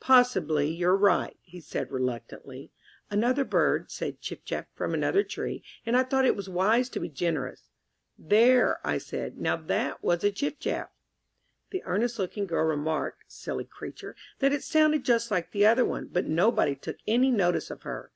"Possibly you're right," he said reluctantly. Another bird said "Chiff chaff" from another tree and I thought it wise to be generous. "There," I said, "now that was a Chiff chaff." The earnest looking girl remarked (silly creature) that it sounded just like the other one, but nobody took any notice of her.